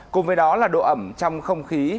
cùng với đó là độ ẩm trong không khí